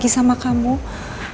dan ini semua bukan kemauannya elsa nino